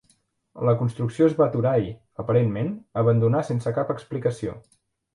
La construcció es va aturar i, aparentment, abandonar sense cap explicació.